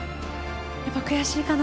やっぱ悔しいかな？